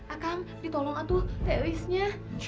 akang ditolong aku teh eisnya